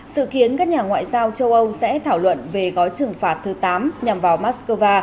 sự khiến các nhà ngoại giao châu âu sẽ thảo luận về gói trừng phạt thứ tám nhằm vào moscow